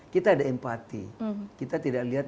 kita ada empati kita tidak lihat